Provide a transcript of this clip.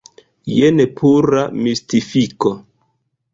Jen pura mistifiko.